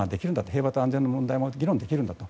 平和と安全の問題も議論できるんだと。